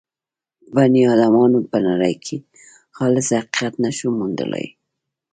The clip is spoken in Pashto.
په بني ادمانو به نړۍ کې خالص حقیقت نه شو موندلای.